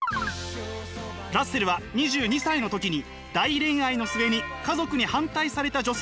ラッセルは２２歳の時に大恋愛の末に家族に反対された女性と結婚！